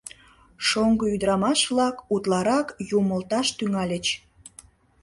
Шоҥго ӱдырамаш-влак утларак юмылташ тӱҥальыч.